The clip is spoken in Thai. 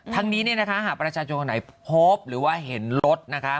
ทั้งนี้เนี่ยนะคะหากประชาชนคนไหนพบหรือว่าเห็นรถนะคะ